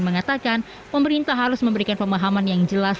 mengatakan pemerintah harus memberikan pemahaman yang jelas